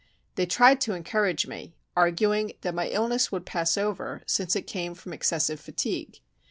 They tried to encourage me, arguing that my illness would pass over, since it came from excessive fatigue.